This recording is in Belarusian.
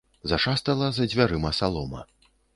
Зашастала за дзвярыма салома.